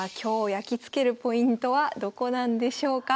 やきつけるポイントはどこなんでしょうか？